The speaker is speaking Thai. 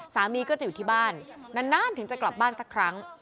สามีก็จะอยู่ที่บ้านนานถึงจะกลับบ้านสักครั้ง